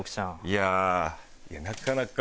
いやあいやなかなか。